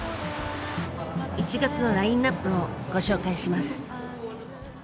１月のラインナップをご紹介します。